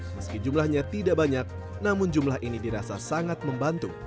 meski jumlahnya tidak banyak namun jumlah ini dirasa sangat membantu